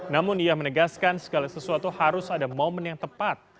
namun ia menegaskan segala sesuatu harus ada momen yang tepat